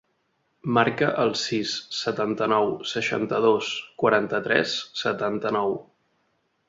Marca el sis, setanta-nou, seixanta-dos, quaranta-tres, setanta-nou.